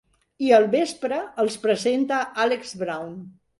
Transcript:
I al vespre els presenta Alex Brown.